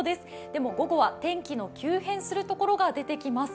でも、午後は天気の急変する所が出てきます。